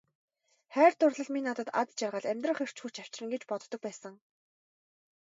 Хайр дурлал минь надад аз жаргал, амьдрах эрч хүч авчирна гэж боддог байсан.